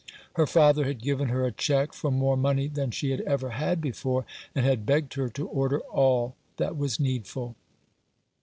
Her father had given her a cheque for more money than she had ever had before, and had begged her to order all that was needful.